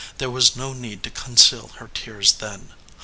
There was no need to conceal her tears then.